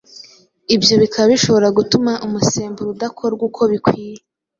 ibyo bikaba bishobora gutuma umusemburo udakorwa uko bikwiye